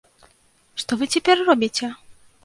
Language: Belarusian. Што вы цяпер робіце?